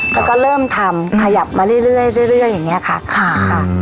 แล้วก็เริ่มทำขยับมาเรื่อยเรื่อยเรื่อยเรื่อยอย่างเงี้ยค่ะค่ะอืม